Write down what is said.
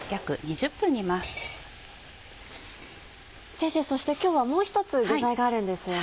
先生そして今日はもう１つ具材があるんですよね。